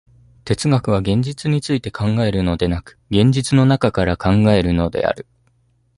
哲学は現実について考えるのでなく、現実の中から考えるのである。